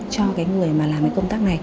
cho cái người mà làm cái công tác này